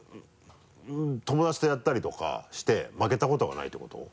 友達とやったりとかして負けたことがないってこと？